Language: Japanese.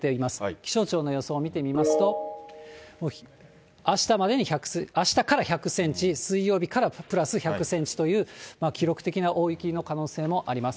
気象庁の予想を見てみますと、あしたから１００センチ、水曜日からプラス１００センチという、記録的な大雪の可能性もあります。